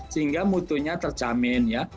sehingga mutunya terjamin ya